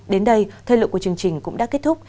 đến đây thời lượng của chương trình cũng đã kết thúc